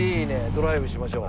ドライブしましょう。